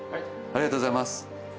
ありがとうございます。